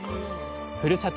ふるさと